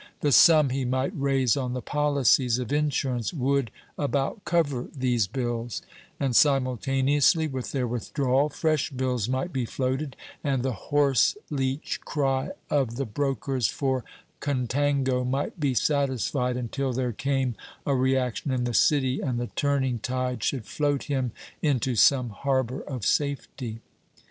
The sum he might raise on the policies of insurance would about cover these bills; and, simultaneously with their withdrawal, fresh bills might be floated, and the horse leech cry of the brokers for contango might be satisfied until there came a reaction in the City, and the turning tide should float him into some harbour of safety.